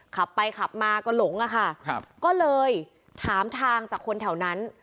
ขับไปขับมาก็หลงอะค่ะครับก็เลยถามทางจากคนแถวนั้น